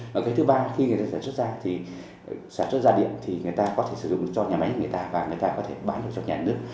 và cái thứ ba là khi người ta sản xuất ra điện thì người ta có thể sử dụng cho nhà máy của người ta và người ta có thể bán được cho nhà nước